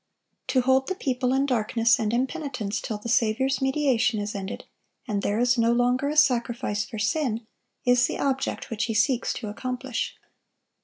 To hold the people in darkness and impenitence till the Saviour's mediation is ended, and there is no longer a sacrifice for sin, is the object which he seeks to accomplish.